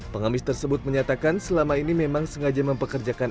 pengemis tersebut menyatakan selama ini memang sengaja mempekerjakan